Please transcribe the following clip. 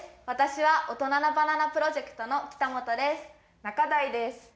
わたしは大人なバナナプロジェクトの北本です。